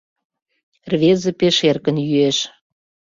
Рвезе пеш эркын йӱэш.